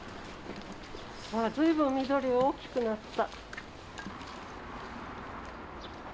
あら随分緑が大きくなった。